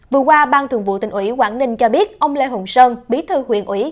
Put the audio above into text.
vừa qua bang thường vụ tỉnh ủy quảng ninh cho biết ông lê hùng sơn bí thư huyện ủy